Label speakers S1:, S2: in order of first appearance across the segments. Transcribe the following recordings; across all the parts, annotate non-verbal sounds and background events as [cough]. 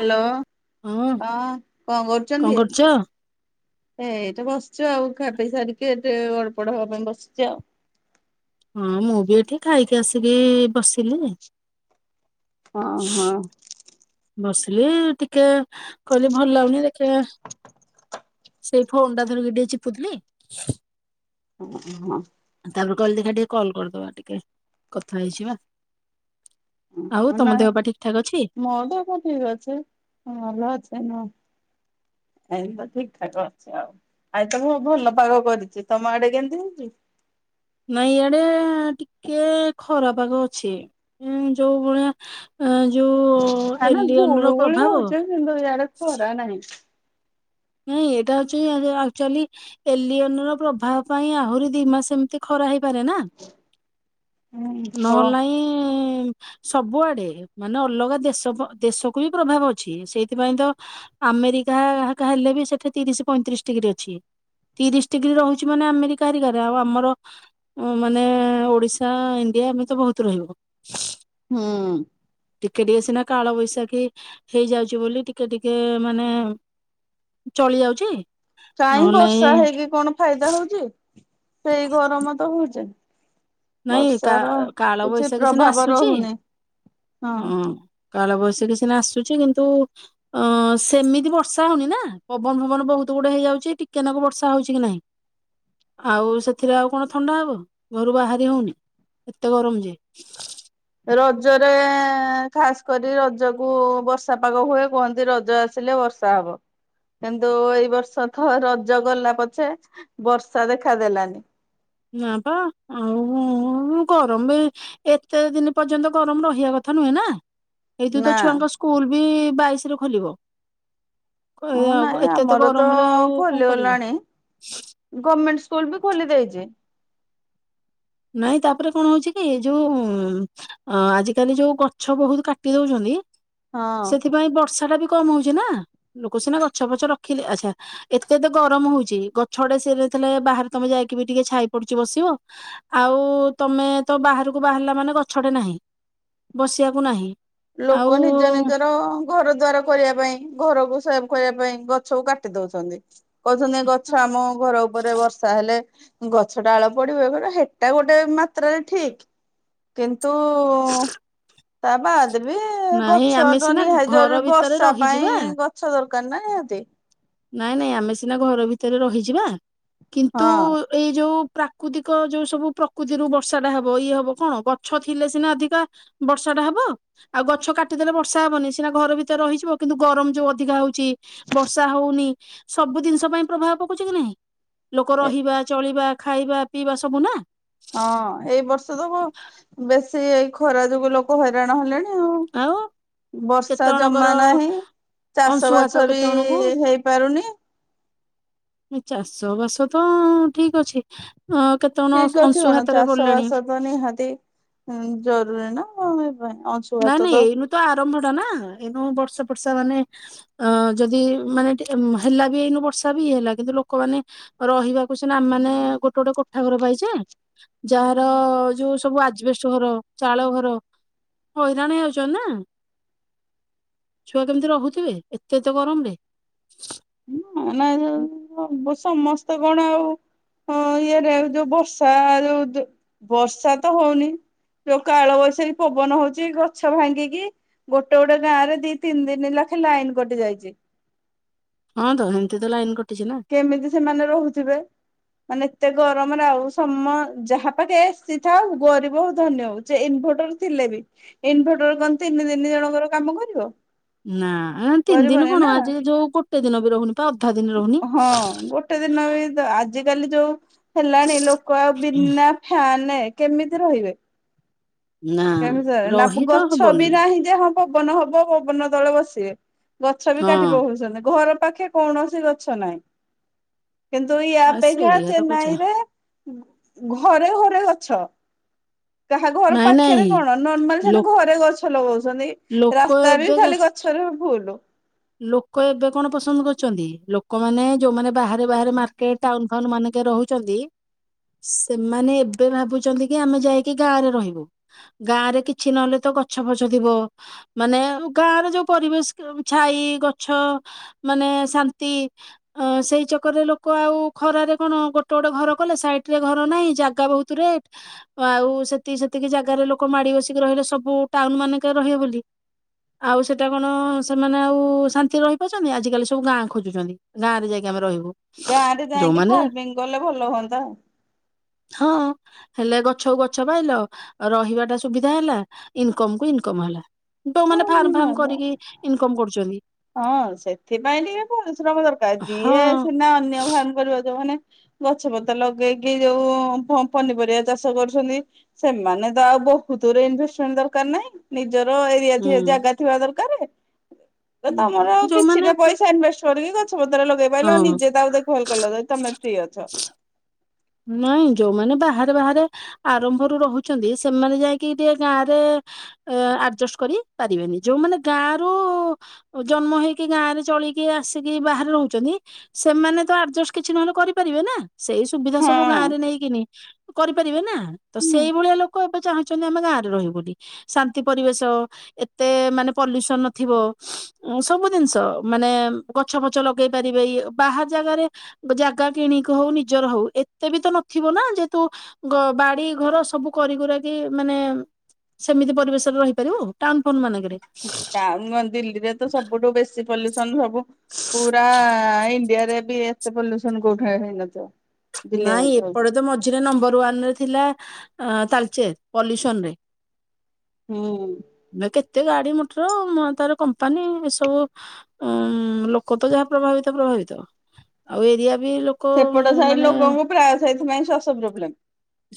S1: Hello ହଁ କଁ
S2: କଣ
S1: କରୁଚନ୍ତି?
S2: କରୁଛ?
S1: ଏଇଠି ବସିଚୁ ଆଉ ଖାପେଇ ସାରିକି ଏଠି ଗଡ଼ପଡ଼ ହବା ପାଇଁ ବସିଚି ଆଉ।
S2: ହଁ ମୁଁ ବି ଏଠି ଖାଇକି ଆସିକି ବସିଲି।
S1: ହଁ ହଁ।
S2: ବସିଲି ଟିକେ କହିଲି ଭଲ ଲାଗୁନି ଦେଖିଆ ସେଇ ଫୋନ ଟା ଧରିକି ଟିକେ ଚିପୁଥିଲି।
S1: ଓହୋ।
S2: ତାପରେ କହିଲି ଦେଖା ଟିକେ କଲ୍ କରିଦବା ଟିକେ କଥା ହେଇଯିବା। ଆଉ
S1: ହଁ
S2: ତମ
S1: ନାଇଁ
S2: ଦେହ ପା ଠିକ୍ ଠାକ୍ ଅଛି?
S1: ମୋ ଦେହ ଠିକ୍ ଅଛି ଭଲ ଅଛି ନ ଏଇ ତ ଠିକ୍ ଠାକ୍ ଅଛି ଆଉ। ଆଜି ତ କଣ ଭଲ ପାଗ କରିଚି ତମ ଆଡେ କେମିତି ହେଇଚି?
S2: ନାଇଁ ଇଆଡେ-ଟିକେ ଖରା ପାଗ ଅଛି ଯୋଉ ଭଳିଆ ଅଁ, ଯୋଉ
S1: ନା ନା
S2: ଏଲିଅନ ର
S1: ଗୁଳୁ ଗୁଳିୁ
S2: ପ୍ରଭାବ
S1: ହଉଚି କିନ୍ତୁ ଇଆଡ଼େ ଖରା ନାହିଁ।
S2: ଇଁ ଏଇଟା ହଉଚି ଆଗେ ଆକ୍ଚୁଆଲି ଏଲିଅନ ର ପ୍ରଭାବ ପାଇଁ ଆହୁରି ଦି ମାସ ଏମିତି ଖରା ହେଇପାରେ ନା?
S1: ଓ
S2: ନହଲେ ନାଇଁ ସବୁଆଡେ ମାନେ ଅଲଗା ଦେଶ ଦେଶକୁ ବି ପ୍ରଭାବ ଅଛି ସେଇଥିପାଇଁ ତ ଆମେରିକା ହାକା ହେଲେ ବି ସେଠି ତିରିଶ ପଇଁତିରିଶ ଡିଗ୍ରୀ ଅଛି। ତିରିଶ ଡିଗ୍ରୀ ରହୁଛି ମାନେ ଆମେରିକା ହେରିକାରେ ଆଉ ଆମର ମାନେ ଓଡିଶା ଇଣ୍ଡିଆ ଏମିତି ତ ବହୁତ ରହିବ।
S1: ହୁଁ।
S2: ଟିକେ ଟିକେ ସିନା କାଳବୈଶାଖୀ ହେଇଯାଉଚି ବୋଲି ଟିକେ ଟିକେ ମାନେ ଚଳି ଯାଉଚି।
S1: କାହିଁ ବର୍ଷା ହେଇକି କଣ ଫାଇଦା ହଉଚି? ସେଇ ଗରମ ତ ହଉଚି।
S2: ନାଇଁ କାଳ ବୈଶାଖୀ ସିନା ଆସୁଛି
S1: ରହୁନି ହଁ।
S2: ହୁଁ। କାଳ ବୈଶାଖୀ ସିନା ଆସୁଚି କିନ୍ତୁ ଅ ସେମିତି ବର୍ଷା ହଉନି ନା ପବନ ଫବନ ବହୁତ ଗୁଡେ ହେଇଯାଉଛି ଟିକେ ନାକୁ ବର୍ଷା ହଉଚି କି ନାହିଁ।
S1: [inaudible]
S2: ଆଉ ସେଥିରେ ଆଉ କଣ ଥଣ୍ଡା ହବ ଘରୁ ବାହାରି ହଉନି ଏତେ ଗରମ ଯେ।
S1: ରଜରେ ଖାସ୍ କରି ରଜ କୁ ବର୍ଷା ପାଗ ହୁଏ କୁହନ୍ତି ରଜ ଆସିଲେ ବର୍ଷା ସା ହବ। କିନ୍ତୁ ଏଇ ବର୍ଷ ତ ରଜ ଗଲା ପଛେ ବର୍ଷା ଦେଖାଦେଲାନି।
S2: ନା ପା ଉଁ ଉଁ ଗରମ ବି ଏତେ ଦିନ୍ ପର୍ଯ୍ୟନ୍ତ ଗରମ ରହିବା କଥା ନୁହେଁ ନା? ଏଇଠୁ ତ
S1: ନା
S2: ଛୁଆଙ୍କ ସ୍କୁଲ ବି ବାଇଶି ରୁ ଖୋଲିବ। କ
S1: ହଁ
S2: ଏଆଗ
S1: ନାଇଁ
S2: ଏତେ ତ
S1: ଆମର
S2: ଗରମରେ ଆଉ କଣ କରିବୁ?
S1: ଖୋଲିଗଲାଣି ଗମେଣ୍ଟ ସ୍କୁଲ ବି ଖୋଲି ଦେଇଚି।
S2: ନାଇଁ ତାପରେ କଣ ହଉଚି କି ଯୋଉ ଉଁ ଉଁ ଉଁ। ହଁ ଆଜିକାଲି ଯୋଉ ଗଛ ବହୁତ୍ କାଟି ଦଉଚନ୍ତି
S1: ହଁ।
S2: ସେଥିପାଇଁ ବର୍ଷା ଟା ବି କମ୍ ହଉଚି ନା ଲୋକ ସିନା ଗଛ ଫଛ ରଖିଲେ ଆଚ୍ଛା। ଏତେତ ଗରମ୍‌ହଉଛି ଗଛ ଆଡେ ସିରେ ଥିଲେ ବାହାରେ ତମେ ଯାଇକି ବି ଟିକେ ଛାଇ ପଡୁଛି ବସିବ। ଆଉ ତମେ ତ ବାହାରକୁ ବାହାରିଲା ମାନେ ଗଛଟେ ନାହିଁ ବସିବାକୁ ନାହିଁ‌।
S1: ଲୋକ ନିଜ ନିଜର ଘର ଦ୍ୱାର କରିବା ପାଇଁ ଘରକୁ ସେଫ୍ କରିବା ପାଇଁ ଗଛକୁ କାଟି ଦଉଛନ୍ତି। କହୁଛନ୍ତି ଗଛ ଆମ ଘର ଉପରେ ବର୍ଷା ହେଲେ ଗଛ ଡାଳ ପଡିବ ଏ କରିବ ହେଟା ଗୋଟେ ମାତ୍ରାରେ ଠିକ୍ କିନ୍ତୁ ତାବାଦ୍ ରେ
S2: ନାଇଁ
S1: ଗଛ
S2: ଆମେ
S1: ଟ
S2: ସିନା
S1: ନିହାତି
S2: ଘର
S1: ଜରୁରି
S2: ଭିତରେ
S1: ବର୍ଷା ପାଇଁ
S2: ରହିଯିବା
S1: ଗଛ ଦର୍କାର୍ ନା ନାଁ ତି।
S2: ନାଇଁ ନାଇଁ ଆମେ ସିନା ଘର ଭିତରେ ରହିଯିବା କିନ୍ତୁ
S1: ହଁ
S2: ଏଇ ଯୋଉ ପ୍ରାକୃତିକ ଯୋଉ ସବୁ ପ୍ରକୃତିରୁ ବର୍ଷା ଟା ହବ ଇଏ ହବ କଣ ଗଛ ଥିଲେ ସିନା ଅଧିକା ବର୍ଷା ଟା ହବ ଆଉ ଗଛ କାଟିଦେଲେ ବର୍ଷା ହବନି ସିନା ଘର ଭିତରେ ରହିଯିବ କିନ୍ତୁ ଗରମ ଯୋଉ ଅଧିକା ହଉ ଚି ବର୍ଷା ହଉନି ସବୁ ଦିନ୍ସ ପାଇଁ ପ୍ରଭାବ ପକୋଉଚି କି ନାଇଁ? ଲୋକ
S1: ଏ
S2: ରହିବା ଚଳିବା ଖାଇବା ପିଇବା ସବୁ ନା।
S1: ହଁ ଏଇ ବର୍ଷ ତ କଣ ବେଶୀ ଏଇ ଖରା ଯୋଗୁ ଲୋକ ହଇରାଣ ହେଲେଣି।
S2: ଆଉ।
S1: ବର୍ଷା
S2: କେତେ
S1: ଜମା
S2: ଅଣଙ୍କର
S1: ନାହିଁ। ଚାଷ
S2: ଅଂଶୁଘାତ
S1: ବାସ ବି
S2: କେତେ ଅଣଙ୍କୁ।
S1: ହେଇପାରୁନି
S2: ଚାଷ ବାସ ତ ଠିକ୍ ଅଛି, ଅ କେତେ ଅଣ
S1: ଠିକ ଅଛି କଣ
S2: ଅଂଶୁଘାତରେ
S1: ଚାଷ
S2: ପଡ଼ିଲେଣି।
S1: [unintelligible] ନିହାତି ଜରୁରୀ ନା ଆମ ପାଇଁ ଅ
S2: ନାଇଁ-ନାଇଁ ଏଇନୁ ତ ଆରମ୍ଭ ଟା ନା, ଏଇନୁ ବର୍ଷା ଫର୍ଷା ମାନେ ଅଁ ଯଦି ମାନେ ଟିକେ ହେଲା ବି ଏଇନୁ ବର୍ଷା ବି ହେଲା କିନ୍ତୁ ଲୋକମାନେ ରହିବାକୁ ସିନା ଆମ୍ ମାନେ ଗୋଟେ-ଗୋଟେ କୋଠା ଘର ପାଇଚେ ଯାହାର ଯୋଉ ସବୁ ଆଜବେଷ୍ଟ ଘର ଚାଳ ଘର ହଇରାଣ ହେଉଚନ୍ତି ନା। ଛୁଆ କେମ୍ତି ରହୁଥିବେ ଏତେ-ଏତେ ଗରମ୍ ରେ।
S1: ନା ନା ସବୁ ସମସ୍ତେ କଣ ଆଉ ହଁ ଇଏରେ ଯୋଉ ବର୍ଷା ଯୋଉ ଦ ବର୍ଷା ତ ହଉନି। ଯୋଉ କାଳ ବୈଶାଖୀ ପବନ ହଉଚି ଗଛ ଭାଙ୍ଗିକି ଗୋଟେ-ଗୋଟେ ଗାଁରେ ଦି ତିନି ଦିନ ଲେଖେ ଲାଇନ୍ କଟି ଯାଇଚି।
S2: ହଁ ତ ହେମ୍ତି ତ ଲାଇନ୍ କଟିଚି ନା।
S1: କେମିତି ସେମାନେ ରହୁଥିବେ? ମାନେ ଏତେ ଗରମ୍ ରେ ଆଉ ସମ ଯାହା ପାଖେ ଏସି ଥାଉ ଗରିବ ହଉ ଧନୀ ହଉ ଯେ ଇନଭଟର ଥିଲେ ବି ଇନଭଟର୍ କଣ ତିନି ଦିନି ଜଣଙ୍କର କାମ କରିବ?
S2: ନା ତିନି ଦିନି
S1: କରିବନି ନା।
S2: କଣ ଆଜି ର ଯୋଉ ଗୋଟେ ଦିନ ବି ରହୁନି ପା ଅଧା ଦିନ୍ ରହୁନି।
S1: ହଁ ଗୋଟେ ଦିନ ବି ତ ଆଜିକାଲି ଯୋଉ ହେଲାଣି ଲୋକ ଆଉ ବିନା ଫ୍ୟାନେ କେମିତି ରହିବେ?
S2: ନା
S1: କେମିତି ରହିବେ, ନା ପ
S2: ରହି ତ
S1: ଗଛ ବି
S2: ହବନି
S1: ନାହିଁ ଯେ ହଁ ପବନ ହବ ପବନ ତଳେ ବସିବେ, ଗଛ ବି
S2: ହଁ
S1: କାଟି ପକଉଚନ୍ତି ଘର ପାଖେ କୌଣସି ଗଛ ନାହିଁ କିନ୍ତୁ ୟା
S2: ଆ
S1: ଅପେକ୍ଷା
S2: ସେଇଆ ତ କହୁଛ
S1: ଚେନ୍ନାଇରେ ଘରେ-ଘରେ ଗଛ, କାହା ଘର
S2: ନାଇଁ
S1: ପା ଖେରେ
S2: ନାଇଁ
S1: କଣ ନର୍ମାଲି
S2: ଲୋ
S1: ସେଠି ଘରେ ଗଛ ଲଗଉଚନ୍ତି,
S2: ଲୋକ
S1: ରାସ୍ତା ବି
S2: ଏବେ
S1: ଖାଲି ଗଛରେ ଫୁଲୁ।
S2: ଲୋକ ଏବେ କଣ ପସନ୍ଦ କରୁଚନ୍ତି, ଲୋକମାନେ ଯୋଉମାନେ ବାହାରେ-ବାହାରେ ମାର୍କେଟ୍ ଟାଉନ୍ ଫାଉନ୍ ମାନେଙ୍କେରେ ରହୁଚନ୍ତି ସେମାନେ ଏବେ ଭାବୁଚନ୍ତି କି ଆମେ ଯାଇକି ଗାଁରେ ରହିବୁ। ଗାଁ ରେ କିଛି ନହେଲେ ତ ଗଛ ଫଛ ଥିବ, ମାନେ ଗାଁରେ ଯୋଉ ପରିବେଶ୍ [unintelligible] ଛାଇ ଗଛ ମାନେ ଶାନ୍ତି ଅଁ ସେଇ ଚକର୍ ରେ ଲୋକ ଆଉ ଖରାରେ କଣ ଗୋଟେ-ଗୋଟେ ଘର କଲେ ସାଇଟ୍ ରେ ଘର ନାହିଁ ଜାଗା ବହୁତ୍ [unintelligible] ଆଉ ସେତିକି-ସେତିକି ଜାଗାରେ ଲୋକ ମାଡି ବସିକି ରହିଲେ ସବୁ ଟାଉନ୍ ମାନଙ୍କେରେ ରହିବେ ବୋଲି। ଆଉ ସେଟା କଣ ସେମାନେ ଆଉ ଶାନ୍ତିରେ ରହିପାରୁଚନ୍ତି, ଆଜିକାଲି ସବୁ ଗାଁ ଖୋଜୁଚନ୍ତି ଗାଁରେ ଯାଇକି ଆମେ ରହିବୁ।
S1: ଗାଁ ରେ ଯାଇଙ୍କି
S2: ଯୋଉମାନେ
S1: ଫାର୍ମିଂ କଲେ ଭଲ ହୁଅନ୍ତା।
S2: ହଁ। ହେଲେ ଗଛକୁ ଗଛ ପାଇଲ ରହିବା ଟା ସୁବିଧା ହେଲା ଇନ୍କମ୍ କୁ ଇନ୍କମ୍ ହେଲା। ଯୋଉମାନେ ଫାର୍ମ-ଫାର୍ମ
S1: ହୁଅନ୍ତା
S2: କରିକି ଇନକମ୍ କରୁଚନ୍ତି।
S1: ହଁ ସେଥିପାଇଁ ଟିକେ ପରିଶ୍ରମ ଦରକାର୍,
S2: ହଁ
S1: ଯିଏ ସିନା ଅନ୍ୟ [unintelligible] ଯୋଉମାନେ ଗଛ ପତ୍ର ଲଗେଇକି ଯୋଉ ପନିପରିବା ଚାଷ କରୁଛନ୍ତି ସେମାନେ ତ ଆଉ ବହୁତରେ ଇନଭେଷ୍ଟମେଣ୍ଟ ଦରକାର ନାହିଁ। ନିଜର ଏରିଆ
S2: ହୁଁ
S1: ଥିବା ଜାଗା ଥିବା ଦରକାର ତ ତମର ଆଉ
S2: ଯୋଉମାନେ
S1: କିଛିଟା ପଇସା ଇନଭେଷ୍ଟ କରିକି ଗଛ ପତ୍ର ଲଗେଇ ପାରିଲ
S2: ହଁ
S1: ନିଜେ ତା ଆଉ ଦେଖହଲ କଲ ଯଦି ତମେ ଫ୍ରି ଅଛ।
S2: ନାଇଁ ଯୋଉମାନେ ବାହାରେ ବାହାରେ ଆରମ୍ଭରୁ ରହୁଛନ୍ତି ସେମାନେ ଯାଇକି ଟିକେ ଗାଁ ରେ ଏ ଆଡଜଷ୍ଟ କରି ପାରିବେନି ଯୋଉମାନେ ଗାଁ ରୁ ଜନ୍ମ ହେଇକି ଗାଁ ରେ ଚଳିକି ଆସିକି ବାହାରେ ରହୁଛନ୍ତି ସେମାନେ ତ ଆଡଜଷ୍ଟ କିଛି ନହେଲେ କରିପାରିବେ ନା ସେଇ ସୁବିଧା ସବୁ
S1: ହଁ
S2: ଗାଁରେ ନେଇକିନି। କରିପାରିବେ ନା ତ
S1: ହୁଁ।
S2: ସେଇ ଭଳିଆ ଲୋକ ଏବେ ଚାହୁଁଛନ୍ତି ଆମେ ଗାଁରେ ରହିବୁ ବୋଲି। ଶାନ୍ତି ପରିବେଶ ଏତେ ମାନେ ପଲ୍ୟୁସନ ନଥିବ। ଏ ସବୁ ଜିନିଷ ମାନେ ଗଛ ଫଛ ଲଗେଇ ପାରିବେ ଇଏ ବାହାର ଜାଗାରେ ଜାଗା କିଣିକି ହଉ ନିଜର ହଉ ଏ ଏତେ ବି ତ ନଥିବ ନା ଯେହେତୁ ବାଡି ଘର ସବୁ କରିି କୁରାକି ମାନେ ସେମିତି ପରିବେଶରେ ରହିପାରିବୁ। ଟାଉନ ଫାଉନ୍ ମାନଙ୍କରେ
S1: ଟାଉନ୍ ଦିଲ୍ଲୀରେ ତ ସବୁଠୁ ବେଶୀ ପଲ୍ୟୁସନ ସବୁ ପୁରା ଇଣ୍ଡିଆରେ ବି ଏତେ ପଲ୍ୟୁସନ କୋଉଠି ହେଇନଥିବ। ଦିଲ୍ଲୀରେ
S2: ନାଇଁ
S1: ହଉଛି
S2: ଏପଟେ ତ ମଝିରେ ନମ୍ବର ୱାନ ରେ ଥିଲା ତାଲଚେର ପଲ୍ୟୁସନ ରେ।
S1: ହୁଁ।
S2: ମେକେ କେତେ ଗାଡି ମଟର ତାର କମ୍ପାନୀ ଏ ସବୁ ଉଁ ଲୋକ ତ ଯାହା ପ୍ରଭାବିତ ପ୍ରଭାବିତ ଆଉ ଏରିଆ ବି ଲୋ
S1: ସେପଟ ସାହି ଲୋକଙ୍କୁ ପ୍ରାୟ ସେହିଥିପାଇଁ ଶ୍ଵାସ ପ୍ରୋବ୍ଲେମ।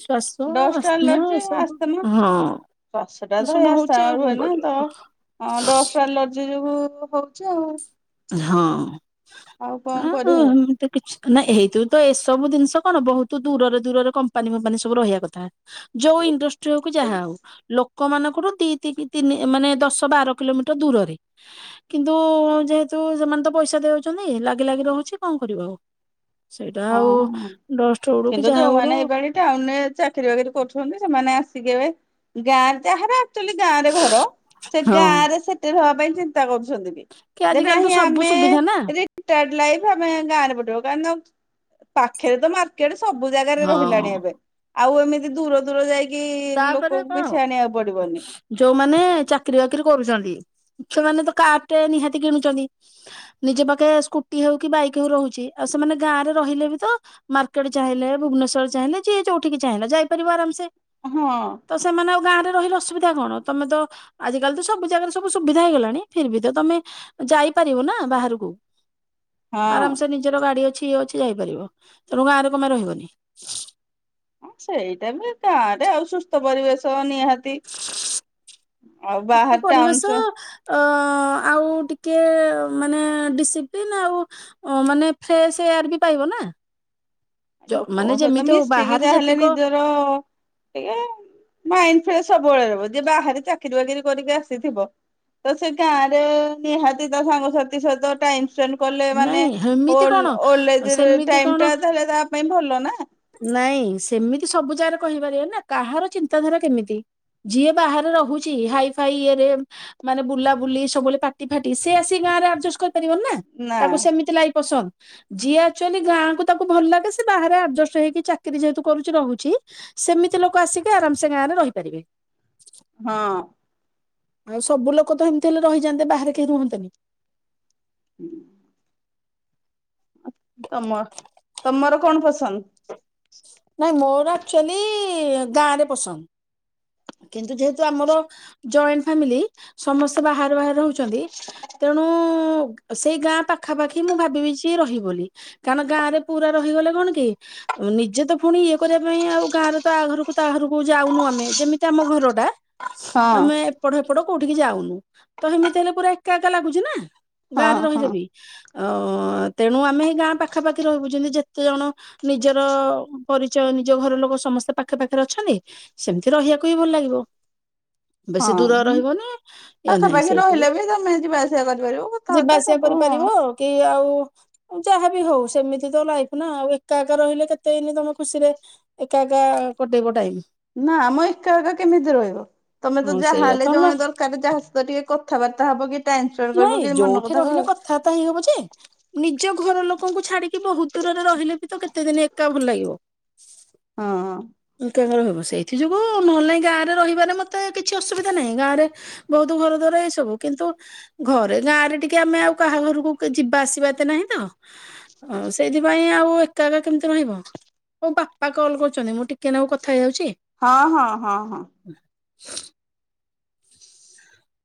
S2: ଶ୍ଵାସ
S1: ଡଷ୍ଟ
S2: ଆସ୍ମା ଏ ସବୁ ହଁ।
S1: ଶ୍ୱାସ ଟା ତ ହଁ ହେ [inaudible] ରୁ ହୁଏନା ତ ଡଷ୍ଟ ଆଲ ଯି ଯୋଗୁ କରୁଚି ଆଉ
S2: ହଁ
S1: ଆଉ କଣ
S2: ଆ
S1: କରିହବ।
S2: [inaudible] ତ କିଛି ନା ଏଇଥୁ ତ ଏସବୁ ଜିନିଷ କଣ ବହୁତ ଦୂରରେ ଦୂରରେ କମ୍ପାନୀ ଫମ୍ପାନୀ ସବୁ ରହିବା କଥା। ଯୋଉ ଇଣ୍ଡଷ୍ଟ୍ରି ହଉ କି
S1: ହଁ
S2: ଯାହା ହଉ ଲ ଲୋକମାନଙ୍କଠୁ ଦି ତିନି ମାନେ ଦଶ ବାର କିଲୋମିଟର ଦୂରରେ କିନ୍ତୁ ଯେହେତୁ ତୁ ସେମାନେ ତ ପଇସା ଦେଉଛନ୍ତି ଲାଗି ଲାଗି ରହୁଛି କଣ କରିବ ଆଉ। ସେଇଟା ଆଉ ଡଷ୍ଟ ଉଡୁ କି
S1: କିନ୍ତୁ
S2: ଯାହା
S1: ଯୋଉମାନେ
S2: ଉଡୁ।
S1: ଏଇପାଳି ଟାଉନରେ ଚାକିରି ବାକିରି କରୁଛନ୍ତି ସେମାନେ ଆସିକି ଏବେ ଗାଁ ରେ ଯାହାର ଆକ୍ଚୁଲି ଗାଁ ରେ ଘର। ସେ
S2: ହଁ
S1: ଗାଁ ରେ ସେଟେଲ ହବା ପାଇଁ ଚିନ୍ତା କରୁଛନ୍ତି ଵି
S2: କି
S1: ଯେ
S2: ଆଜିକାଲି ତ
S1: ନାହିଁ
S2: ସବୁ
S1: ଆମେ
S2: ସୁବିଧା ନା
S1: ରି ରିଟାର୍ଡ଼ ଲାଇଫ ଆମେ ଗାଁ ରେ କଟେଇବୁ କାରଣ ପାଖରେ ତ ମାର୍କେଟ ସବୁ ଜାଗାରେ ରହିଲାଣି
S2: ହଁ
S1: ଏବେ ଆଉ ଏମିତି ଦୂର ଦୂର ଯାଇକି କି
S2: ତାପରେ
S1: ଲୋକଙ୍କୁ
S2: କଣ
S1: କିଛି ଆଣିବାକୁ ପଡିବନି।
S2: ଯୋଉମାନେ ଚାକିରି ବାକିରି କରୁଛନ୍ତି ସେମାନେ ତ କାରଟେ ନିହାତି କିଣୁଛନ୍ତି। ନିଜ ପାଖେ ସ୍କୁଟି ହଉ କି ବାଇକ ହଉ ରହୁଛି ଆଉ ସେମାନେ ଗାଁରେ ରହିଲେ ବି ତ ମାର୍କେଟ ଚାହିଁଲେ ଭୁବନେଶ୍ୱର ଚାହିଁଲେ ଯିଏ ଯୋଉଠିକି ଚାହିଁଲେ ଯାଇପାରିବ ଆରାମସେ।
S1: ହଁ।
S2: ତ ସେମାନେ ଆଉ ଗାଁରେ ରହିଲେ ଅସୁବିଧା କଣ ତମେ ତ ଆଜିକାଲି ତ ସବୁ ଜାଗାରେ ସବୁ ସୁବିଧା ହେଇଗଲାଣି ଫିର ବି ତ ତମେ ଯାଇପାରିବ ନା ବାହାରକୁ। ଆରାମ
S1: ହଁ
S2: ସେ ନିଜର ଗାଡି ଅଛି ଇଏ ଅଛି ଯାଇପାରିବ ତେଣୁ ଗାଁରେ କମେ ରହିବନି।
S1: ହ ସେଇଟା ବି କା ଏଟ ଆଉ ସୁସ୍ଥ ପରିବେଶ ନିହାତି। ତି ଆଉ
S2: ସୁସ୍ଥ
S1: ବାହାର ଟାଉନ
S2: ପରିବେଶ
S1: ସ
S2: ଅ ଆଉ ଟିକେ ମାନେ ଡିସିପ୍ଲିନ୍ ଆଉ ଓ ମାନେ ଫ୍ରେଶ ଏୟାର ବି ପାଇବ ନା। ଜ ମାନେ
S1: ଲୋକଙ୍କ ସହିତ
S2: ଯେମିତି ହଉ
S1: ମିଶିକି
S2: ବାହାରେ
S1: ଜା ହେଲେ
S2: ଯେତିକ
S1: ନିଜର ଟେ ମାଇଣ୍ଡ ଫ୍ରେସ ସବୁବେଳେ ରହିବ ଜିଏ ବାହାରେ ଚାକିରି ବାକିରି କରିକି ଆସିଥିବ। ତ ସେ ଗାଁରେ ନିହାତି ତ ସାଙ୍ଗ ସହିତ ଟାଇମସ ସ୍ପେଣ୍ଡ କଲେ ମାନେ
S2: ନାଇଁ
S1: ଓ
S2: ହେମିତି କଣ
S1: ଓଲଡ ଏଜରେ
S2: ସେମିତି କଣ
S1: ଟାଇମଟା ତାଲେ ତା ପାଇଁ ଭଲ ନା।
S2: ନାଇଁ ସେମିତି ସବୁ ଜାଗାରେ କହିପାରିବା ନା କାହାର ଚିନ୍ତାଧାରା କେମିତି। ଯିଏ ବାହାରେ ରହୁଛି ହାଇ ଫାଇ ଇରେ ମାନେ ବୁଲା ବୁଲି ସବୁବେଳେ ପାଟି ଫାଟି ସେ ଆସି ଗାଁ ରେ ଆଡଜଷ୍ଟ କରିପାରିବନି ନା। ତାକୁ ସେମିତି ଲାଇଫ ପସନ୍ଦ। ଯିଏ ଆକ୍ଚୁଆଲି ଗାଁକୁ ତାକୁ ଭଲ ଲାଗେ ସେ ବାହାରେ ଆଡଜଷ୍ଟ ହେଇକି ଚାକିରି ଯେହେତୁ କରୁଛି ରହୁଛି। ସେମିତି ଲୋକ ଆସିକି ଆରାମସେ ଗାଁ ରେ ରହିପାରିବେ।
S1: ହଁ।
S2: ଆଉ ସବୁ ଲୋକ ତ ହେମିତି ହେଲେ ରହିଯାନ୍ତେ ବାହାରେ କେହି ରୁହନ୍ତେନି।
S1: ହୁଁ। ତମ ତମର କଣ ପସନ୍ଦ?
S2: ନାଇଁ ମୋର ଆକ୍ଚୁଆଲି ଗାଁ ରେ ପସନ୍ଦ। କିନ୍ତୁ ଯେହେତୁ ଆମର ଜଏଣ୍ଟ ଫାମିଲି ସମସ୍ତେ ବାହାରେ ବାହାରେ ରହୁଛନ୍ତି ତେଣୁ ସେଇ ଗାଁ ପାଖାପାଖି ମୁଁ ଭାବିବି ଯେ ରହିବି ବୋଲି। କାରଣ ଗାଁ ରେ ପୁରା ରହିଗଲେ କଣ କି ନିଜେ ତ ପୁଣି ଇଏ କରିବା ପାଇଁ ଆଉ ଗାଁରେ ତ ଆ ଘରକୁ ତ ଆରକୁ ଯାଉନୁ ଆମେ ଯେମିତି କି ଆମ ଘର ଟା
S1: ହଁ
S2: ଆମେ ପଟ ହେପଟ କୋଉଠିକି ଯାଉନୁ ତ ଏମିତି ହେଲେ ପୁରା ଏକା ଏକା ଲାଗୁଛି ନା
S1: ହଁ
S2: ଗାଁରେ
S1: ହଁ
S2: ରହିଲେ ବି। ଅଁ ତେଣୁ ଆମେ ହେଇ ଗାଁ ପାଖାପାଖି ରହିବୁ ଜେନ୍ତି ଯେତେ ଜଣ- ନିଜର ପରିଚୟ ନିଜ ଘର ଲୋକ ସମସ୍ତେ ପାଖେ ପାଖରେ ଅଛନ୍ତି ସେମିତି ରହିବାକୁ କୁ ବି ଭଲ ଲାଗିବ। ବେଶୀ ଦୂର
S1: ହଁ
S2: ରହିବନି ଇଏ ନାହିଁ
S1: ପାଖାପାଖି
S2: ସେଇଥିରେ
S1: ରହିଲେ ବି ତମେ ଯିବା ଆସିବା କରିପାରିବ
S2: ଯିବା
S1: କଥାବାର୍ତ୍ତା
S2: ଆସିବା
S1: ସବୁ
S2: କରିପାରିବ। କି ଆଉ ଯାହାବି ହଉ ସେମିତି ତ ଲାଇଫ ନା ଆଉ ଏକା ଏକା ରହିଲେ କେତେଦିନି ତମେ ଖୁସିରେ ଏକା ଏକା କଟେଇବ ଟାଇମ୍।
S1: ନାମ ଏକା ଏକା କେମିତି ରହିବ? ତମେ ତ
S2: ହଁ
S1: ଯାହା
S2: ସେଇଆ
S1: ହେଲେ
S2: ତ ହେଲା
S1: ଜଣେ ଦରକାର ଯାହା ସହିତ ଟିକେ କଥାବାର୍ତ୍ତା ହବ କି ଟାଇମ ସ୍ପେଣ୍ଡ କରିବ
S2: ନାଇଁ
S1: କି ମନ
S2: ଯୋଉଠି
S1: କଥା
S2: ରହିଲେ
S1: କହିବ।
S2: କଥାବାର୍ତ୍ତା ହେଇ ହବ ଯେ ନିଜ ଘର ଲୋକଙ୍କୁ ଛାଡିକି ବହୁତ ଦୂରରେ ରହିଲେ ବି ତ କେତେ ଦିନ ତ ଭଲ ଲାଗିବ
S1: ହଁ
S2: ଏକା ଏକା ରହିବ ସେଇଥି ହଁ ନହେଲେ ନାଇଁ ଗାଁରେ ରହିବାରେ ମୋତେ କିଛି ଅସୁବିଧା ନାହିଁ ଗାଁରେ ବହୁତ ଘର ଦ୍ୱାର ଏଇ ସବୁ କିନ୍ତୁ ଘରେ ଗାଁରେ ଟିକେ ଆମେ ଆଉ କାହା ଘରକୁ ଯିବା ଆସିବା ଏତେ ନାହିଁ ତ। ହଉ ସେଇଥିପାଇଁ ଆଉ ଏକା ଏକା କେମିତି ରହିବ। ମୋ ବାପା କଲ୍ କରୁଛନ୍ତି ମୁଁ ଟିକେ ନାକୁ କଥା ହେଇଯାଉଛି।
S1: ହଁ ହଁ ହଁ ହଁ।
S2: ହୁଁ।